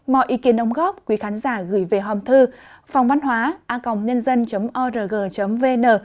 mọi ý kiến đóng góp quý khán giả gửi về hòm thư phongvănhoa org vn